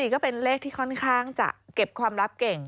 ก็เป็นเลขที่ค่อนข้างจะเก็บความลับเก่ง